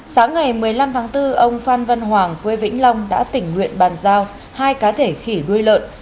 sáng ngày một mươi năm tháng bốn ông phan văn hoàng quê vĩnh long đã tỉnh nguyện bàn giao hai cá thể khỉ đuôi lợn